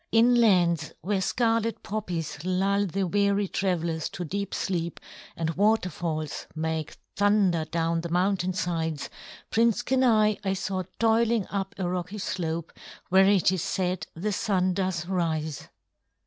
In lands where scarlet poppies lull the weary travelers to deep sleep, and waterfalls make thunder down the mountain sides, Prince Kenai I saw toiling up a rocky slope where it is said the Sun does rise."